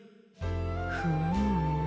フーム。